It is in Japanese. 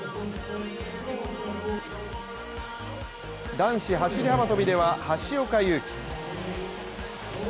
男子走り幅跳びでは橋岡優輝。